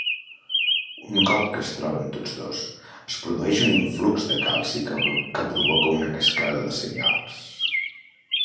Un cop que es troben tots dos, es produeix un influx de calci que provoca una cascada de senyals.